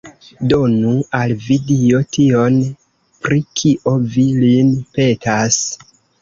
Donu al vi Dio tion, pri kio vi lin petas!